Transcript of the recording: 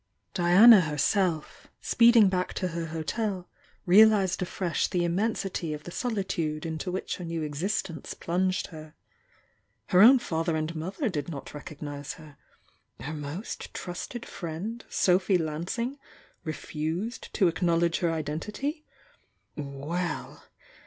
Diana herself, speeding back to her hotel, realised afresh the immensity of the solitude into which her new existence plunged her. Her own father and mother did not recognise her, — ^her most trusted friend, Sophy Lansing, refused to acknowledge her identity — well!